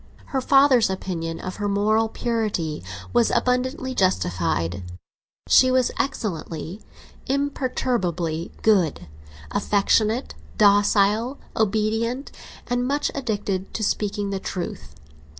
Her father's opinion of her moral purity was abundantly justified; she was excellently, imperturbably good; affectionate, docile, obedient, and much addicted to speaking the truth.